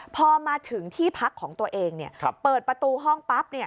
พอมาถึงที่พักของตัวเองเปิดประตูห้องปั๊บ